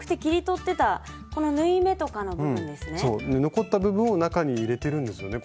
残った部分を中に入れてるんですよねこれ。